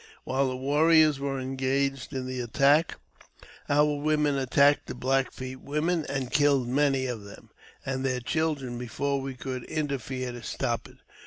While the warriors were engaged in the attack, our women attacked the Black Foot women, and killed many of them and their children before we could interfere to stop it.